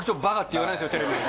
テレビで。